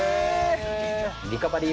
リカバリー